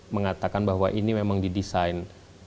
mengatakan bahwa ini memang didesain